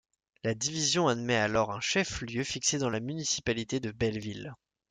La division admet alors un chef-lieu fixé dans la municipalité de Belleville.